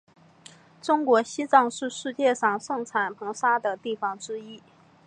中国西藏是世界上盛产硼砂的地方之一。